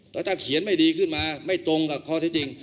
แล้วถ้าเขียนไม่ดีขึ้นมาไม่ตรงกับข้อที่จริง